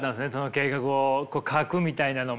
計画を書くみたいなのも。